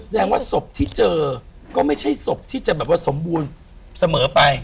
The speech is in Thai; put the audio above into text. ว่าศพที่เจอก็ไม่ใช่ศพที่จะแบบว่าสมบูรณ์เสมอไป